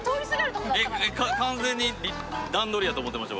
完全に段取りやと思ってました。